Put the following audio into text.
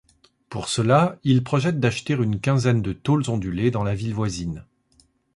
Pour cela, il projette d'acheter une quinzaine de tôles ondulées dans la ville voisine.